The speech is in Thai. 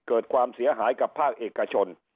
เกิดความเสียหายกับภาคเอกชน